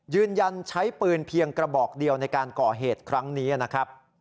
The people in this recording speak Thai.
ยืนยันใช้ปืนเพียงกระบอกเดียวในการก่อเหตุครั้งนี้นะครับ